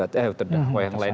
terdakwa yang lain